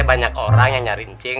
banyak orang yang nyarincin